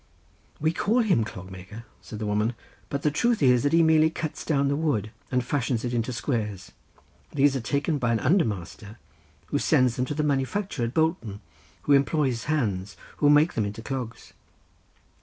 "We call him a clog maker," said the woman, "but the truth is that he merely cuts down the wood and fashions it into squares; these are taken by an under master who sends them to the manufacturer at Bolton, who employs hands, who make them into clogs."